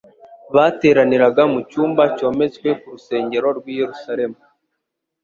Bateraniraga mu cyumba cyometswe ku rusengero rw'i Yerusalemu.